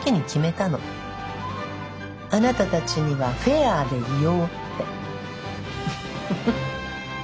あなたたちにはフェアでいようって。